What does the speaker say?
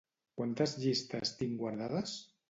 Quantes llistes tinc guardades?